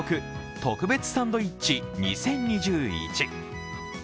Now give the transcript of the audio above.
特別サンドイッチ２０２１。